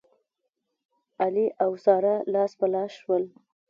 علي او ساره لاس په لاس شول.